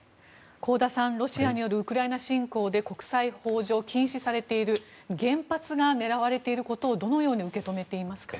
香田さん、ロシアによるウクライナ侵攻で国際法上禁止されている原発が狙われていることをどのように受け止めていますか？